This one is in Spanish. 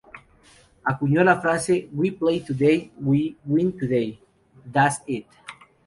Acuñó la frase, ""we play today, we win today... das it!